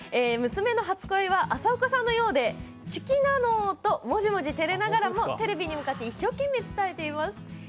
娘の初恋は、朝岡さんのようでちゅきなの！ともじもじてれながらもテレビに向かって一生懸命、伝えています。